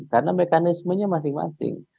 karena mekanismenya masing masing